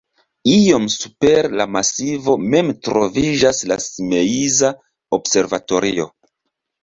Iom super la masivo mem troviĝas la Simeiza observatorio.